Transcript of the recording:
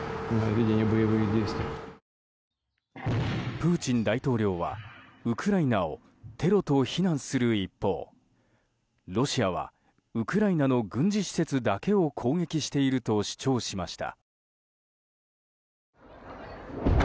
プーチン大統領はウクライナをテロと非難する一方ロシアはウクライナの軍事施設だけを攻撃していると主張しました。